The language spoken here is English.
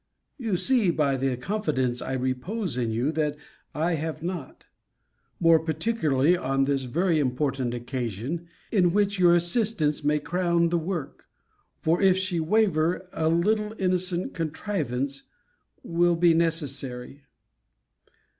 You see by the confidence I repose in you, that I have not; more particularly, on this very important occasion, in which your assistance may crown the work: for, if she waver, a little innocent contrivance will be necessary.